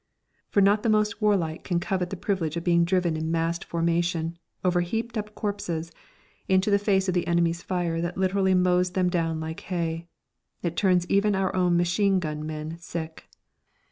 For not the most warlike can covet the privilege of being driven in massed formation, over heaped up corpses, into the face of the enemy's fire that literally mows them down like hay. It turns even our own machine gun men sick.